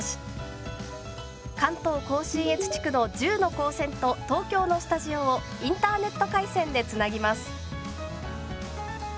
関東甲信越地区の１０の高専と東京のスタジオをインターネット回線でつなぎます。